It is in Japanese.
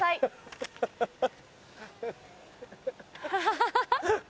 ハハハ！